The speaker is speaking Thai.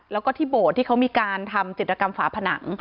แล้วก็ที่โบสถ์ที่เขามีการทำจิตรกรรมฝาผนัง